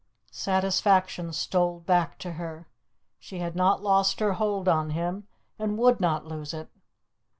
Satisfaction stole back to her. She had not lost her hold on him, would not lose it.